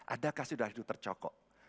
adakah sudah hidup tercokok